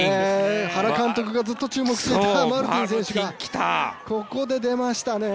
原監督がずっと注目していたマルティン選手がここで出ましたね。